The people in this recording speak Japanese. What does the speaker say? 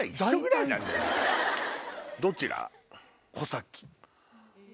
どちら？